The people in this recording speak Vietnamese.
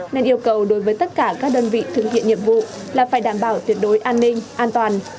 nên yêu cầu đối với tất cả các đơn vị thực hiện nhiệm vụ là phải đảm bảo tuyệt đối an ninh an toàn